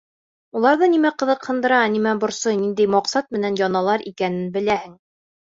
— Уларҙы нимә ҡыҙыҡһындыра, нимә борсой, ниндәй маҡсат менән яналар икәнен беләһең.